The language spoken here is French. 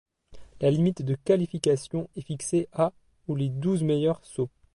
La limite de qualification est fixée à ou les douze meilleurs sauts.